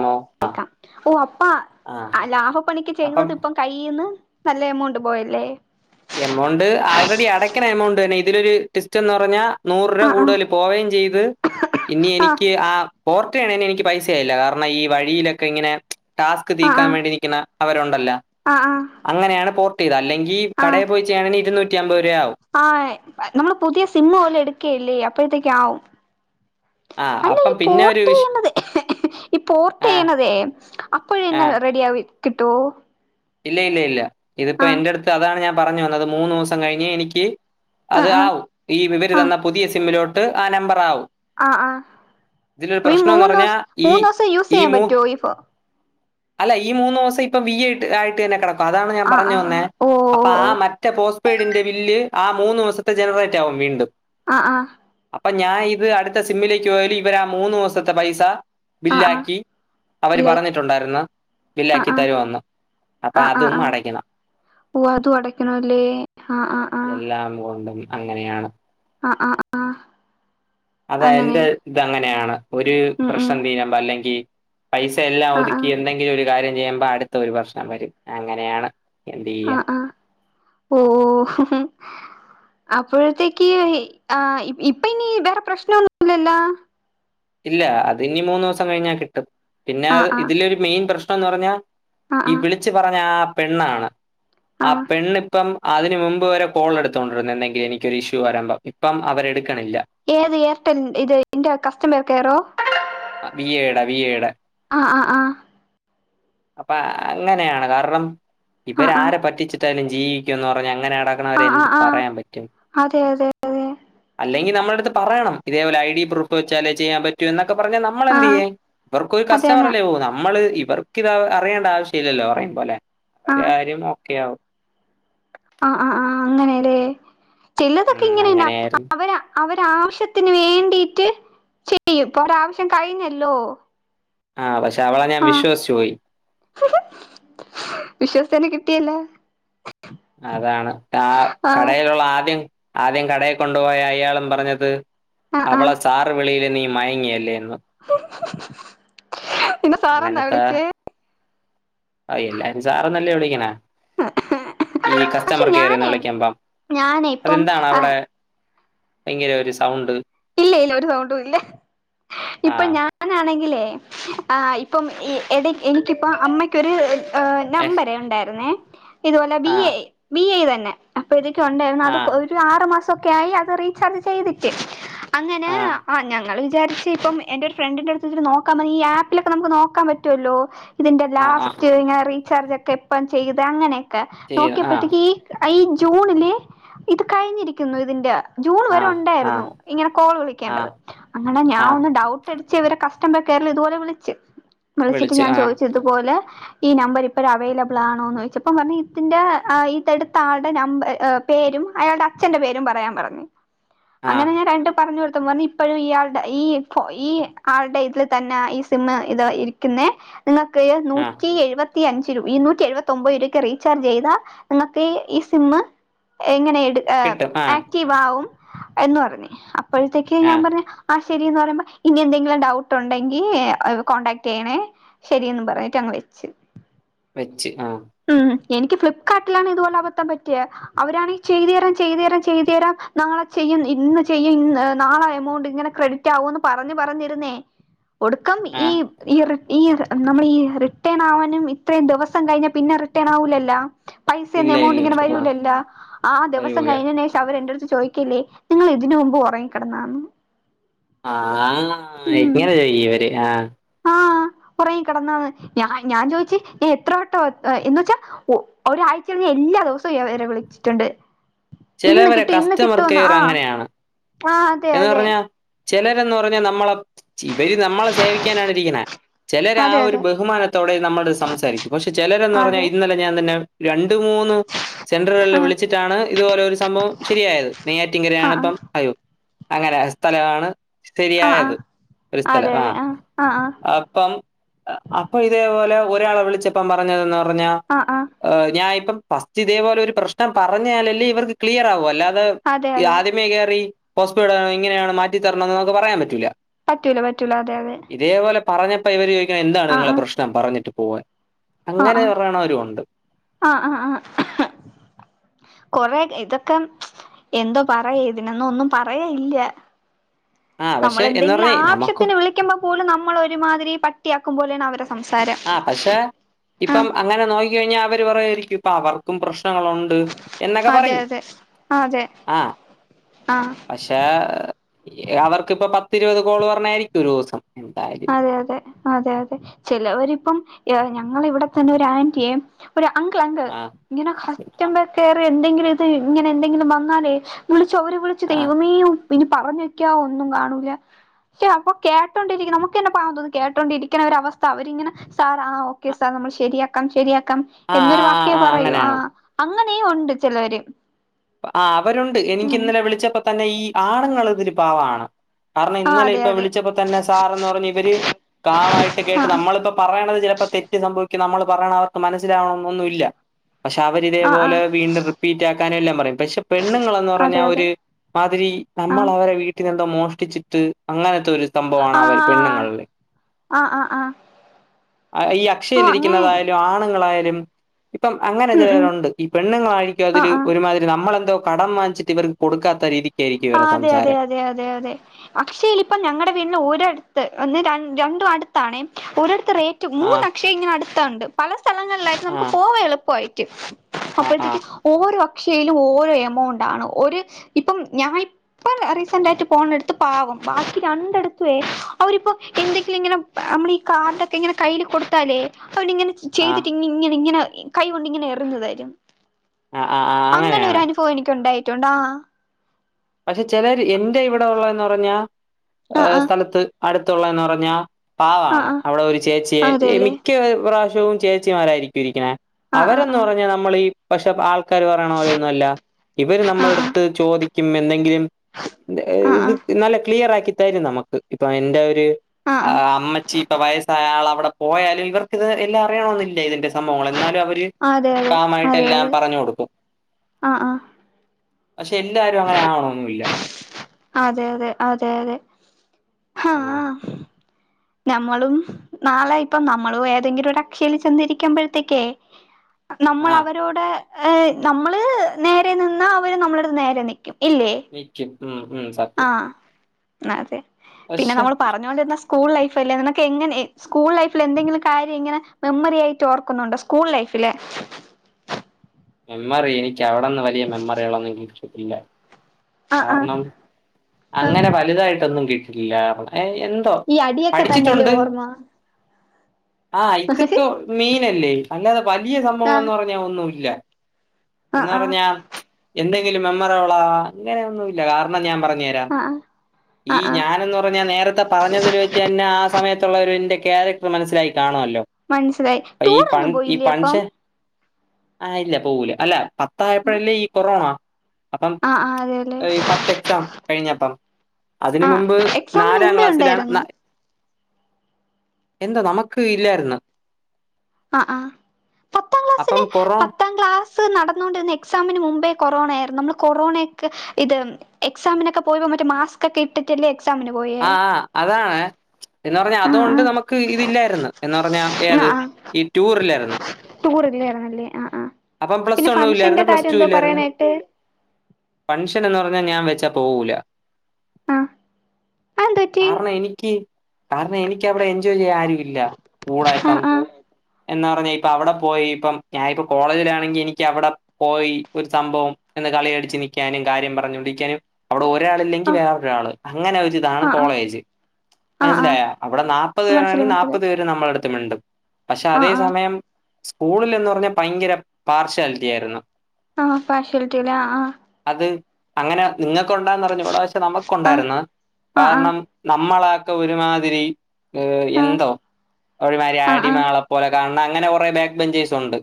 ആണോ ആ കേക്കാം ഓ അപ്പാ ആ ലാഭപ്പണിക്ക് അപ്പം ചെയ്തത് ഇപ്പം കയ്ൽന്ന് നല്ല എമൗണ്ട് പോയല്ലേ എമൗണ്ട് ആൾറെഡി അടയ്ക്കണ എമൗണ്ട് തന്നെ ഇതിലൊരു ടിസ്റ്റ് എന്ന് പറഞ്ഞാ നൂറ് രൂപ ആ ആ കൂടുതൽ പോവുകയും ചെയ്ത് ഇനി എനിക്ക് ആ പോർട്ട ചെയണേന് എനിക്ക് പൈസയയില്ല കാരണം ഈ വഴിയിലൊക്കെ ഇങ്ങനെ ടാസ്ക് ആ തീക്കാൻ വേണ്ടി എനിക്ക അവരുണ്ടല്ല ആ ആ അങ്ങനെയാണ് പോർട്ട് ചെയ്തത് അല്ലെങ്കിൽ ആ ആ കടയിൽ പോയി ചെയ്യണെങ്കിൽ ഇരുന്നൂറ്റി അമ്പത് രൂപ ആവും ആ നമ്മള് പുതിയ സിമ്മ പോലെ എടുക്കല്ലേ അപ്പഴത്തേക്ക ആവും ആ അല്ല അപ്പം ഈ പിന്നെ ഒരു വിഷ പോർട്ട്യണത് ഈപ്പോ ഓർട്ട് ആ ചെയ്യണതെ ആ അപ്പോഴന്ന റെഡി ആവി കിട്ടൂ ഇല്ല ഇല്ല ഇല്ല ഇതിപ്പോ എൻന്റെറ അടുത്ത് അതാണ് ഞാൻ പറഞ്ഞു വന്നത് മൂന്ന് ദിവസം കഴിഞ്ഞ് എനിക്ക് ആ അത് ആ ആവും ഈ വിവര് ആ തന്ന പുതിയ സിമ്മിലോട്ട് ആ നമ്പർ ആവും ആ ആ ഇതിലൊരു അപ്പൊ ഈ പ്രശ്നം എന്ന് മൂന്ന് ദിവസ പറഞ്ഞാൽ ഈ മൂന്ന് ദിവസം യൂസ് ഈ ചെയ്യാൻ മൂവ് പറ്റുവോ ഇഫ അല്ല ഈ മൂന്ന് ദിവസം ഇപ്പൊ വി ആട്ട ആയിട്ട് തന്നെ കിടക്കു അപ്പൊ അതാണ് ഞാൻ ആ ആ പറഞ്ഞു ആ തന്നെ ഓ ഓ അപ്പൊ ആ ഓ മറ്റേ പോസ്റ്റ് പെയഡിന്റെ ബില്ല് ആ മൂന്ന്ു ദിവസത്തെ ജനറേറ്റ് ആവുംും വീണ്ടും ആഹ ആഹ അപ്പൊ ഞാൻ ഇത് അടുത്ത സിമ്മിലേക്ക് പോയാലല് ഇവര് ആ മൂന്ന് മാസത്തെ പൈസ ആ ആ ബില്ലാക്കി അവര് ഇല്ലായിക്ക് പറഞ്ഞിട്ടുണ്ടായിുന്ന ആ ബില്ലാക്കി ആ തരുമു അപ്പൊ ആ ആ അതും ആ അടയ്ക്കണം ഓ അതും അടക്കണല്ലേ ആഹ ആഹ ആഹ ണ്ട അങ്ങനെയാണ് ആ ആ ആ് അതെ എന്റെ ഇത് അങ്ങനെയാണ് ഒരു ഉം ഉം പ്രശ്നം തീന്പോ അല്ലെങ്കിൽ പൈസ എല്ലാം ആഹ് ഒതുക്കി ആഹ് എന്തെങ്കിലും ഒരു കാര്യം ചെയ്യുമ്പോ അടുത്ത ഒരു വർഷം വരും അങ്ങനെയാണ് എന്ത് ചെയ്യാം ആഹ ആഹ ഓ [unintelligible] അപ്പോഴത്തേക്ക് ആ ഇപ്പ ഇനി വേറെ പ്രശ്നൊന്നുംല്ലല്ല ഇല്ല അത് ഇനി മൂന്ന്ു ദിവസം കഴിഞ്ഞാ കിട്ടും പിന്നെ ആഹ് ആഹ് ഇതിലരു മെയിൻ പ്രശ്നം എന്ന് പറഞ്ഞാൽ ആഹ് ഈ ആഹ് വിളിിച്ചു പറഞ്ഞ ആ പെണ്ണാണ് ആ ആഹ് പെണ്ണ ഇപ്പം അതിനന് മുമ്പ് വരെ കോൾ എടുത്തോണ്ടിരുന്ന എന്തെങ്കില എനക്ക്ൊരു ഇഷ്യൂ വരാമ്പ ഇപ്പം അവരെ എടുക്കണില്ല ഏത് ഏർ്ടൽ ഇത് ഇ കസ്റ്റമർ കയറോ വി എടാ വി എട ആഹ ആഹ ആഹ അപ്പൊ അങ്ങനെയാണ് കാരണം ആഹ് ഇവരരെ പറ്റിച്ചിട്ട എാലും ജീവിക്കും എന്ന് പറഞ്ഞ അങ്ങനെയാണ് ആഹ് ആഹ് രെന്ത് ആഹ് ആഹ് പറയാൻ പറ്റ അതെ അതെ അതെ അല്ലെങ്കിൽ നമ്മടുത്ത് പറയണം ഇതേപലെ ഐ ഡി പ്രൂ്െച്ചാല് ചെയാൻ പറ്റും എന്നൊക്കെ പറ നമ്മൾ എന്ത് ആഹ് ചെയ്യേ ഇവക്കരു കസ്റ്റമർ അതന്നെ അല്ലേ പോ നമ്മള് ഇർക്ക് ഇത അറിയേണ്ട ആവശ്യം ഇില്ലല്ലോ അറൻ പോലെ അവ കാര്യം നോക്കെയയാാവോ ആഹ ആ് ആ് അങ്ങനെതേ ചിലതൊക്കെ ഉം ഇങ്ങനെയല്ല അങ്ങനെയായിരുന്നു അവര് അവര ആാവശ്യത്തിന് വേണ്ടിട്ട് ചെയ്യും ഇപ്പൊ ഒാവശ്യം കഴിഞ്ഞല്ലോ ആഹ പക്ഷെ അവളെ ഞാൻ ആഹ് വിശ്വസിച്ചു പോയി അട്ടല അതാണ് ആ കടയിലുള്ള ആദ്യം ആദ്യം കടയെ കൊണ്ടുപോയ അയാളും പറഞ്ഞത് ആഹ് അവളെ ആഹ് സാർ വിളിയിൽ നീ മയങ്ങി എല്ലെന്ന് നിന്നെ സാർ എന്നാ അങ്ങനത്തെ വിളിച്ചേ ആ എല്ലാരും സാർ എന്നല്ലേ വിളിക്കണേ ഈ പക്ഷെ കസ്റ്റമർ കെയറിൽ നിന്നും ഞാനേ വിളിക്കുമ്പം ഞാനേ അത് ഇപ്പം എന്താണ് അവിടെ ആഹ് ഭയങ്കര ഒരു സൗണ്ട് ഇല്ല ഇല്ല ഒരു സൗണ്ടും ഇല്ല ഇപ്പൊ ആഹ് ഞാനാണെങ്കിലേ ആ ഇപ്പം എനിക്കിപ്പോ അമ്മയ്ക്കൊരു എഹ് നമ്പരെ ഉണ്ടായിരുന്നേ ഇതുപോലെ ബി ആഹ് എ ബി എ തന്നെ അപ്പൊ ഇതൊക്കെ ഉണ്ടായിരുന്നു അത് ആഹ് ഒരു ആറ് മാ സം ഒക്കെ ആയി അത് റീചാർജ് ചെയ്തിട്ട് അങ്ങനെ ആഹ് ഞങ്ങള് വി വിചാരിച്ച ഇപ്പം എന്റൊരു ഫ്രണ്ടിന്റെ അടുത്തുവച്ചിട്ട് നോക്കാൻ പ ഈ ആപ്പിലൊക്കെ നമുക്ക് നോക്കൻ പറ്റുമല്ലോ? ഇതിന്റെ ആഹ് ആഹ് ലാസ്റ്റ് ഇങ്ങ റീചാർജ് ഒക്കെ എപ്പം ചെയ്ത് അങ്ങനെ ക്കെ ചെയ്ത് ആഹ് നോക്കിയപ്പോത്തേക്ക് ഈ ഈ ജൂണില് ഇത് കഴിഞ്ഞിരിക്കുന്നു ഇതിന്റെ ജൂൺ വരെ ആഹ് ആഹ് ഉണ്ടായിരുന്നു ഇങ്ങനെ കോൾ വിളിക്കേണ്ടത് ആഹ് അങ്ങനെ ഞാൻ ആഹ് ഒന്ന് ഡൗ ട്ടടിച്ച് ഇവരെ കസ്റ്റമർ കെയറിൽ ഇതുപോലെ വിളിച്ച് വിളിച്ചിട്ട് വിളിച്ചു ഞാൻ ആഹ് ചോദിച്ച് ഇതുപോലെ ഈ നമ്പർ ഇപ്പഴ് അവൈലബിൾ ആണോന്ന് ചോയച്ചപ്പോ പറഞ്ഞ് ഇതിന്റെ അ ഇതെടുത്ത ആളുടെ നമ്പർ ഏഹ് പേരും അയാളുടെ അച്ഛന്റെ പേരും പറയാൻ പറഞ്ഞ്. ആഹ് പറഞ്ഞ് കൊടുത്തപ്പ പറഞ്ഞ ഇപ്പോഴും ഇയാള്ടെ ഈ ഈ ആളുടെ ഇതിൽ തന്നെ ഈ സിമ്മ് ഇത് ഇരി ക്കിന്നെ, നിങ്ങൾക്ക് ആഹ് നൂറ്റി എഴുപ ത്തിയഞ്ച് രു ഇരുന്നൂറ്റി എഴുപത്തൊമ്പത് രൂപയ്ക്ക് റീചാർജ് ചെയ്താ നിങ്ങൾക്ക് ഈ സിമ്മ് എങ്ങനെ ട്‌ ഏഹ് കിട്ടും ആഹ് ആക്റ്റീവ് ആവും എന്ന് പറഞ്ഞ്. അപ്പോഴത്തേക്ക് ഞാൻ ആഹ് പറഞ്ഞ് ശരിന്ന് പറയുമ്പോ ഇനി എന്തെങ്കിലും ഡൗട്ട് ഉണ്ടെങ്കിൽ കോണ്ടടാക്ട് ചെയ്യണേ ശരിയന്ന് പറഞ്ഞിട്ട് അങ്ങ് വെ ച്ച്. വെച്ച് ആഹ്. എനിക്ക് ഫ്ലിപ്കാർട്ടിലാണ് ഇതുപോലെ അബദ്ധം പറ്റിയെ. അവരാണെങ്കിൽ ചെയ്തു തരാം ചെയ്തു തരാം ചെയ്തു തരാം നാളെ ചെയ്യ ഇന്ന് ചെയ്യും ഇൻ നാളെ എമൗണ്ട് ഇങ്ങനെ ക്രെഡിറ്റ് ആവുന്ന് പറഞ്ഞ് പറഞ്ഞിരുന്നേ ഒടുക്കം ഈ ആഹ് ഈ റി ഈ റി നമ്മൾ ഈ റിട്ടേൺ ആവാനും ഇത്രയും ദിവസം കഴിഞ്ഞ പിന്നെ റിട്ടേൺ ആവൂലല്ല. പൈസന്ന ഇല്ല എമൗണ്ട് ഇല്ല ഇങ്ങനെ ആഹ് വരൂലല്ലോ ആ ദിവസം വരൂല കഴിഞ്ഞതിന് ശേഷം അവര് എന്റെടുത്ത് ചോദിക്കല്ലേ നിങ്ങൾ ഇതിനന് മുമ്പ് ഉറങ്ങിക്കിടന്നാന്ന്. ആ ഇങ്ങനെ ചോയിക്കും ഇവര് ആഹ് ആ ഉറങ്ങി കിടന്നന്ന് ഞാ ഞാൻ ചോദിച്ചു ഞ എത്രവ ട്ടം എന്നുവെച്ചാൽ ഒ ഒരാഴ്ച്ച ഞാൻ എല്ലാ ദിവസോം ഇവരെ വിളിച്ചിട്ടുണ്ട്. ഇന്ന് ചിലവരെ കിട്ടും ഇന്ന് കസ്റ്റമർ കിട്ടോന്നാ കെയർ അങ്ങനെയാണ് ആഹ് അതെ അതെ ചെലരന്ന് പറഞ്ഞാ നമ്മളെ ച്ചിവരി നമ്മളെ സേവിക്കാനാണ് ഇരിക്കണെ ചെലരാ അതെ ഒരു അതെ അതെ ബഹുമാനത്തോടെ നമ്മടത്ത് സംസാരിക്കും പഷേ ചെലരന്ന് പറഞ്ഞാ ആഹ് ഇന്നലെ ഞാൻ തന്നെ രണ്ട് മൂന്ന് സെൻറ്റർകളിൽ ആഹ് വിളിച്ചിട്ടാണ് ഇതുപോലെ ഒരു സംഭവം ശെരിയായത് നെയ്യാറ്റിങ്കരയാണ് അപ്പം ആഹ് അയ്യോ അങ്ങനെ സ്ഥലവാണ് ശെരിയായത് ആഹ് ഒരു അതെ സ്ഥലം അതെ ആഹ് ആഹ് ആഹ് അപ്പം അപ്പോ ഇതേപോലെ ഒരാളെ വിളിച്ചപ്പാ പറഞ്ഞതെന്ന് പറഞ്ഞ ആഹ് ആഹ് ഞാ ഇപ്പം ഫസ്റ്റ് ഇതേപോലെ ഒരു പ്രശ്നം പറഞ്ഞാലല്ലേ ഇവർക്ക് ക്ലിയർ ആകു അല്ലാതെ അതെ അതെ ആദ്യമേ കേറി പോസ്സ്പ്പെടാണ് ഇങ്ങനെയാണ് മാറ്റിത്തരണം ന്നൊന്നും പറയാൻ പറ്റൂല്ല പറ്റൂല പറ്റൂല അതെ അതെ പറഞ്ഞപ്പ ഇവര് ചോദിക്കണ് എന്താണ് നിങ്ങളെ പ്രശ്നം പറഞ്ഞിട്ട് പോവാൻ ആഹ്‌ അങ്ങനെ പറയണവരും ഉണ്ട് ആഹ്‌ ആഹ്‌ ആഹ്‌ ആഹ്‌ കൊറെ ഇതൊക്കെ എന്തോ പറയാ ഇതിനൊന്നു എന്നും പറയാ ഇല്ല ആ പക്ഷെ എന്ന് നമ്മളെന്തെങ്കിലും പറഞ്ഞേ നമുക്ക് ആവശ്യത്തിന് വിളിക്കുമ്പോ പോലും നമ്മളെ ഒരുമാതിരി പട്ടിയാക്കും പോലെയാണ് അവര ആ പക്ഷെ ഇപ്പം അങ്ങനെ നോക്ക കഴിഞ്ഞാൽ അവര് പറയായിരിക്കും ഇപ്പൊ അവർക്കും പ്രശ്നം പ്രനങ്ങളുണ്ട് എന്നൊക്കെ അതെ പറയും അതെ അതെ ആഹ ആഹ് പക്ഷെ അവർക്കിപ്പ പ ഇരുപത് കോോള് പറഞ്ഞതായിരിക്കും ഒരു ദിവസം എന്തായാലും അതെ അതെ അതെ അതെ ചിലവരിപ്പം ഞങ്ങള ഇവിടെത്തന്നെ ഒരു ആന്റിയയും ഒരു അങ്കിൾ അങ്ക ആ ഇങ്ങനെ കസ്റ്റബർ കെയർ എന്തെങ്കിലും ഇത് ഇങ്ങനെ എന്തെങ്കിലും വന്നാലേ ചൗര് വിളിച്ചു ആ ദൈവമേയും പിന്നെ പറഞ്ഞ വെക്ക ഒന്നും കാണൂല്ല പക്ഷെ അപ്പൊ കേട്ടോണ്ടിരിക്കും നമ്മക്ക് നമ്മക്ക് തന്നെ പാവം തോന്നും കേട്ടോണ്ടിരിക്കുന്ന അവസ്ഥ അവരിങ്ങനെ സാർ ആ ഓക്കെ സാർ നമ്മൾ ശരിയാക്കാം ശരിയാക്കാം ആ ആ എന്നൊരു വാക്കേ ആ പറയൂ അങ്ങനെ ആ അങ്ങനെയും ഉണ്ട് ചിലോര് ആ അവരുണ്ട് എനിക്ക് ഇന്നലെ വിളിച്ചപ്പോ തന്നെ ഈ ആണുങ്ങൾ ഇതില് പാവാണ് കാരണം ആ ഇന്നലെ അതെ ഇപ്പൊ അതെ വിളിച്ചപ്പോ തന്നെ സാർന്ന് പറഞ്ഞ് ഇവര് കാമായിട്ട് ആ കേട്ട് നമ്മളിപ്പ പറയണത് അപ്പ തെറ്റ് സംഭവ നമ്മൾ പറയണ അവർക്ക് മനസിലാവണംന്നൊന്നുല്ല പക്ഷെ ആ ആ അവരിതേപോലെ വീണ്ടും റിപ്പീറ്റ് എല്ലാം പറയും പക്ഷെ പെണ്ണുങ്ങൾ എന്ന് അതെ പറഞ്ഞാൽ അതെ ഒരു മാതിരി ആ നമ്മൾ അവരെ വീട്ടിൽന്ന് മോഷ്ടിച്ചിട്ട് അങ്ങനൊത്തെ ഒരു സംഭവാണ് ആ അവര് പെണ്ണുങ്ങളെ ആ ആ ആ ഈ ഓ അങ്ങനെ അക്ഷയിലിരിക്കുന്നതായാലും ആണുങ്ങളായാലും ഇപ്പം അങ്ങനെ ഉം ഉം ചിലരുണ്ട് ഈ പെണ്ണുങ്ങളായിരിക്കും ആ അതില് ആ ഒരുമാതിരി നമ്മളെന്തോ കടം വാങ്ങിച്ചിട്ട് ഇവർക്ക് കൊടുക്കാത്ത രീതി ആ അതെ അതെ അതെ അതെ അതെ അക്ഷയേല് ഇപ്പം ഞങ്ങളടെ വീടിന്റെ ഒന്ന് രണ്ടും അടുത്താണേ ഒരിടത്ത് റേറ്റ് മൂന്ന് ആഹ് അക്ഷയ ഇങ്ങനെ അടുത്തുണ്ട് പല സ്ഥലങ്ങളിലായിട്ട് നമുക്ക് ആഹ് പോവാ എളുപ്പായിട്ട് ആഹ് അപ്പോഴത്തേക്ക് ആഹ് ഓരോ അക്ഷയിലും ഓരോ എമൗണ്ട് ആണ് ഒരു ഇപ്പം ഞാൻ ഇപ്പ റീസന്റ് ആയിട്ട് പോണടുത്ത് പാവം ബാക്കി രണ്ടടുത്തുവേ അവരിപ്പോ എന്തൊ ഇങ്ങനെ നമ്മള് ഈ കാർഡൊക്കെ ഇങ്ങനെ കയ്യിൽ കൊടുത്താലേ അവൻ ഇങ്ങനെ ആഹ് ചെയ്തിട്ട് ഇങ്ങനെ ഇങ്ങനെ കൈ കൊൊണ്ട് ഇങ്ങനെ എറിഞ്ഞ് തരും ആഹ് ആഹ് ആഹ് അങ്ങനെ ഒരു അങ്ങനെയാണ് അനുഭവം എനിക്ക് ഉണ്ടായിട്ടുണ്ട് ആ പക്ഷെ ചിലർ എന്റെ ഇവിടെ ഉള്ളെന്ന് പറഞ്ഞ ആ സ്ഥലത്ത് അടുത്തുള്ളെന്ന് പറഞ്ഞാ ആ പാവാണ് ആ അവിടെ ഒരു ചേച്ചിയെ ആ അതെല്ലേ മിക്ക്യ പ്രാവശ്യവും ചേച്ചിമാരായിരിക്കും ഇരിക്കണേ ആ ആ അവരന്ന് ആ പറഞ്ഞ് നമ്മൾ ഈ പക്ഷെ ആൾക്ക് പറയണ പോലൊന്നുല്ല ഇവര് ആ നമ്മളടുത്ത് ചോദിക്കും എന്തെങ്കിലും ആ ഇത് ആ നല്ല ക്ലിയർ ആക്കി തരും നമ്മക്ക് ഇപ്പൊ എന്റെ ഒരു ആ അമ്മച്ചി ഇപ്പൊ വയസ്സായ ആൾ അവിടെ പോയാലും ഇവർക്ക് ഇത് എല്ലാം അറിയണൊന്നില്ല ഇതിന്റെ സംഭവങ്ങൾ എന്നാലും അവര് അതെ അതെ കാമായിട്ട് അതെ എല്ലാം അതെ പറഞ്ഞ് കൊടുക്കും ആ ആ പക്ഷെ എല്ലാരും അങ്ങനെ ആവണൊന്നുല്ല അതെ അതെ അതെ അതെ ഹാ ആ [inaudible] ഞമ്മളും നാളെ ഇപ്പം നമ്മളും ഏതെങ്കിലും ഒരു അക്ഷയിൽ ചെന്നിരിക്കുമ്പോഴത്തേക്കേ നമ്മൾ ആ അവരോട് നമ്മള് നേരെ നിന്നാ അവര് നമ്മളട്ത്ത് നേരെ നിക്കും ഇല്ലേ [unintelligible] ഉം ഉം സത്യം ആ അതെ പിന്നെ പക്ഷെ നമ്മൾ പറഞ്ഞോണ്ടിരുന്ന സ്കൂൾ ലൈഫല്ലേ നിനക്ക് എങ്ങനെ സ്കൂൾ ലൈഫിൽ എന്തെങ്കിലും കാര്യം ഇങ്ങനെ മെമ്മറി ആയിട്ട് ഓർക്കുന്നുണ്ടോ സ്കൂൾ ലൈഫ് പിലെ മെമ്മറി എനിക്ക് അവിടെന്ന് വലിയ മെമ്മറികളൊന്നും കിട്ടിയിട്ടില്ല ആഹ് ആഹ് കാരണം ആഹ് അങ്ങനെ വലുതായിട്ടൊന്നും കിട്ടില്ല ഏ എന്തോ ഈ അടിയൊക്കെ തന്നെല്ലേ പഠിച്ചിട്ടുണ്ട് ഓർമ്മ ആ ആഹ് ഇതൊക്കെ മീനല്ലേ അല്ലാതെ വലിയ സംഭവംന്ന് ആഹ് പറഞ്ഞാ ഒന്നുല്ല എന്ന് ആഹ് പറഞ്ഞാ എന്തെങ്കിലും മെമ്മറോള അങ്ങനെയൊന്നുല്ല കാരണം ഞാൻ പറഞ്ഞ ആഹ് ഈ ആഹ് ആഹ് ഞാൻ എന്ന് പറഞ്ഞ നേരത്തെ പറഞ്ഞതിൽ വെച്ച് എന്നെ ആ സമയത്തുള്ള അവര് ക്യാരക്ടർ മനസ്സിലായി കാണുമല്ലോ മനസ്സിലായി ഈ പൺ ടൂറൊന്നും ഈ പോയില്ലേ അപ്പം പൺഷൻ ആ ഇല്ല പോകുല അല്ല പത്തായപ്പോഴല്ലേ ഈ കൊറോണ അപ്പം ആഹ് ആഹ് അതെല്ലേ പത്ത് എക്സാം കഴിഞ്ഞപ്പം അതിന് ആഹ് മുമ്പ് എക്സാമിന് നാലാം മുമ്പേ ക്ലാസ്സിലാണ് നാ ഉണ്ടായിരുന്നു എന്താ നമുക്ക് ഇല്ലായിരുന്ന് ആ ആ പത്താം അപ്പം ക്ലാസ്സിന് കൊറോ പത്താം ക്ലാസ് സ് നടന്നൊണ്ടിരുന്ന എക്സാമിന് മുമ്പേ കൊറോണയയിരുന്നു നമ്മൾ കൊറോണേക്കെ ഇത് എക്സാമിനൊക്കെ പോയി മാസ്ക് ഒക്കെ ഇട്ടിട്ടല്ലേ എക്സാമിന് പോയേ ആ ആ അതാണ് എന്ന് പറഞ്ഞ ആഹ് അതുകൊണ്ട് ആഹ് നമുക്ക് ഇതില്ലായിരുന്നു എന്ന് പറഞ്ഞാ ഏത് ഈ ടൂറിലായിര്ന്ന് ടൂറില്ലേയ്ര്ന്ന് അല്ലേ ആ ആ പ്ലസ് പിന്നെ വണ്ണും ഫംഗഷന്റെ കാര്യം എന്തോ പറയാനായിട്ട് ഫൺഷൻ എന്ന് പറഞ്ഞാ ഞാൻ വെച്ചാ പോവൂല ആ കാരണം എനിക്ക് കാരണം എനിക്ക് അവിടെ എന്തോ റ്റൂല്ലാ ആരു ഇല്ല കൂളായിപ്പം ആഹ് ആഹ് എന്നാ പറഞ്ഞ് ഇപ്പ അവിടെ പോയി ഇപ്പം ഞാനിപ്പ കോളേജിലാണെങ്കിൽ എനിക്ക് അവിടെ പോയി ഒരു സംഭവം എന്നി കളി അടിച്ച് നിക്കാനും കാര്യം പറഞ്ഞോണ്ടിരിക്കാനും അവിടെ ഒരാൾ ഇല്ലെങ്കിൽ ആഹ് വേറൊരാൾ അങ്ങനെ ഒരിതാണ് ആഹ് ആഹ് കോളേജ് ആഹ് ആഹ് മനസ്സിലായ അവിടെ നാപ്പത് മനസ്സിലായി പേരാണെങ്കിൽ മനസ്സിലായി നാപ്പത് പേര് നമ്മള അടുത്തു മിണ്ടും പക്ഷെ അതേ ആഹ് ആഹ് സമയം സ്കൂളിൽനിന്ന് പറഞ്ഞാൽ ഭയങ്കര പാർശ്യാലിറ്റി ആയിരുന്നു ആപാഷ്വലിറ്റിലേ ആ ആഹ് അത് അങ്ങനെ നിങ്ങക്കുണ്ടായന്ന് അറിഞ്ഞുകൂടാ പക്ഷേ ആഹ് നമുക്കുണ്ടായിരുന്നു ആഹ് ആഹ് കാരണം നമ്മ മ്മളൊക്കെ ഒരുമാതിരി ആഹ് എന്തോ ഒരിമാതിരി ആഹ് ആഹ് ആടിമാളെ പോലെ കാണ അങ്ങനെ കൊറേ ബാക്ക് ബഞ്ചേസ്ണ്ട്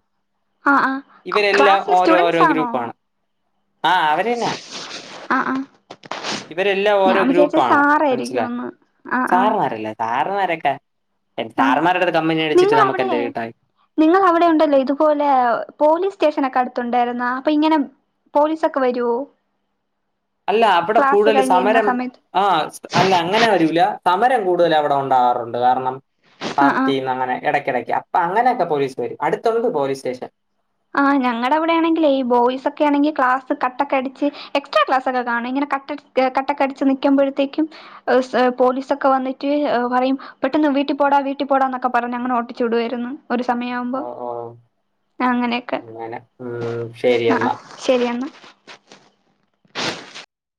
ആഹ് ആഹ് ഇവരെല്ലാം ക്ലാസ്സിലെ ഓരോ ഓരോ സ്റ്റുഡന്റ്സ് ആണോ ഗ്രൂപ്പാണ് ആ അവര്ന്നെ ആഹ് ആഹ് ഇവരെല്ലാം ഞാൻ ഓരോ വിചാരിച്ച് ഗ്രൂപ്പാണ് മൻസിലാ സാറായിരിക്കുംന്ന് ആഹ് ആഹ് സാറന്മാരല്ലേ താറന്മാരൊക്കെ എന്ത് താറന്മാരു [unintelligible] നിങ്ങൾ അവിടെ നിങ്ങൾ അവിടെ ഉണ്ടല്ലോ ഇതുപോലെ പോലീസ് സ്റ്റേഷനൊക്കെ അടുത്ത് ട്ടുണ്ടായിരുന്ന അപ്പൊ ഇങ്ങനെ പോലീസൊക്കെ വരുവോ അല്ല അവിടെ ക്ലാസ് കൂടുതൽ കഴിഞ്ഞ് വരുന്ന സമരം സമയത്ത് ആ അല്ല അങ്ങനെ വരൂല സമരം കൂടുതൽ അവിടെ ഉണ്ടാകവാറുണ്ട് കാരണം ആഹ് ആഹ് പാർട്ടിന്ന് അങ്ങനെ എടക്കിടക്ക് അപ്പൊ അങ്ങനെയൊക്കെ പോലീസ് വരും അടുത്തൊള്ളൂ പോലീസ് സ്റ്റേഷൻ ആ ഞങ്ങള അവിടെ ആണെങ്കിലേ ഈ ബോയ്സ് ഒക്കെണെങ്കി ക്ലാസ് കട്ടൊക്കെ അടിച്ച് എക്സ്ട്രാ ക്ലാസൊക്കെ കാണ ഇങ്ങനെ കട്ടക്ക് ഏ കാട്ടക്കെ അടിച്ച് നിക്കുമ്പോഴത്തേക്ക് പോലീസൊക്കെ വന്നിട്ട് ഏ പറയും പെട്ടെന്ന് വീട്ടിൽ പോടാ വീട്ടിൽ പോടാന്നൊക്കെ പറഞ്ഞ് അങ്ങനെ ഓട്ടിച്ചുവിടുമായിരുന്നു ഒരു സമയം ആവുമ്പോ ഓ ഓ അങ്ങനെ അങ്ങനെ ഉം ശരി എന്നാ എന്നാ